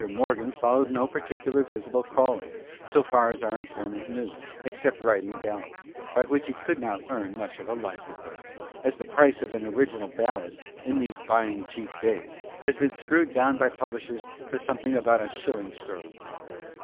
Morgan followed no particular visible calling so far as our informant knew, except writing ballads, by which he could not earn much of a livelihood, as the price of an original ballad, in these buying cheap days, has been screwed down by publishers to somewhere about a shilling sterling.